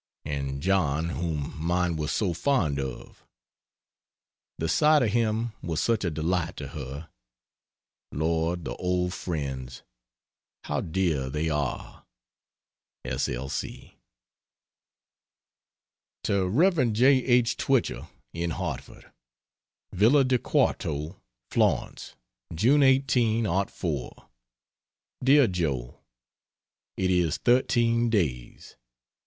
And John, whom mine was so fond of. The sight of him was such a delight to her. Lord, the old friends, how dear they are. S. L. C. To Rev. J. R. Twichell, in Hartford: VILLA DI QUARTO, FLORENCE, June 18, '04. DEAR JOE, It is 13 days.